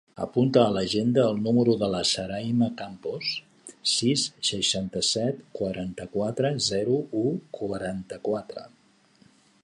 Apunta a l'agenda el número de la Sarayma Campos: sis, seixanta-set, quaranta-quatre, zero, u, quaranta-quatre.